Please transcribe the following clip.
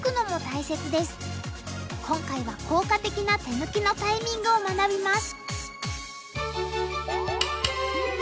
今回は効果的な手抜きのタイミングを学びます。